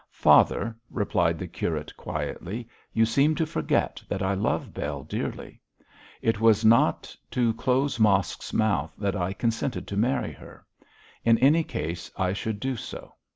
'Father,' replied the curate, quietly, 'you seem to forget that I love Bell dearly. It was not to close Mosk's mouth that I consented to marry her; in any case I should do so.